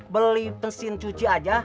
beli mesin cuci aja